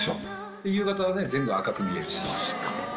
夕方全部赤く見えるし。